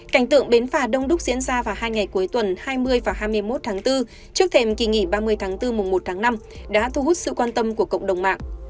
cảnh tượng bến phà đông đúc diễn ra vào hai ngày cuối tuần hai mươi và hai mươi một tháng bốn trước thềm kỳ nghỉ ba mươi tháng bốn mùa một tháng năm đã thu hút sự quan tâm của cộng đồng mạng